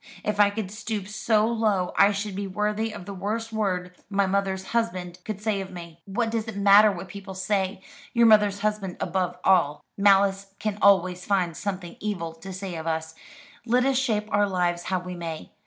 If I could stoop so low I should be worthy of the worst word my mother's husband could say of me." "What does it matter what people say your mother's husband above all? Malice can always find something evil to say of us, let us shape our lives how we may.